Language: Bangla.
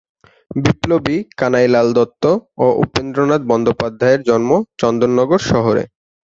বিপ্লবী কানাইলাল দত্ত ও উপেন্দ্রনাথ বন্দ্যোপাধ্যায়ের জন্ম চন্দননগর শহরে।